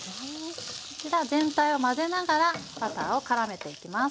こちら全体を混ぜながらバターをからめていきます。